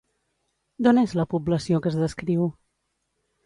D'on és la població que es descriu?